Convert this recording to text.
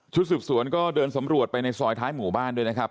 สืบสวนก็เดินสำรวจไปในซอยท้ายหมู่บ้านด้วยนะครับ